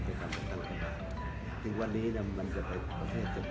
เป็นกำลังสำคัญถึงวันนี้เนี่ยมันเกิดไปประเภทเกิดงานประทับทุกทุกไม่ได้